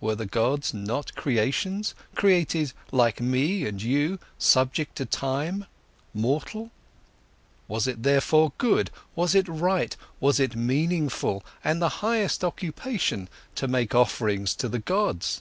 Were the gods not creations, created like me and you, subject to time, mortal? Was it therefore good, was it right, was it meaningful and the highest occupation to make offerings to the gods?